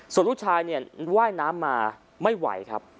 ส่วนลูกชายเนี่ยว่ายน้ำมาไม่ไหวครับ